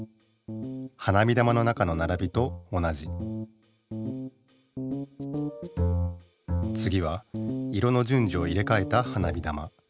花火玉の中のならびと同じつぎは色の順序を入れかえた花火玉。